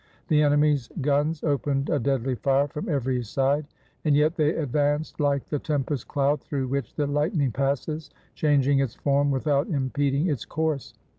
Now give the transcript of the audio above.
The enemy's guns opened a deadly fire from every side, and yet they advanced like the tempest cloud through which the lightning passes, changing its form without impeding its course.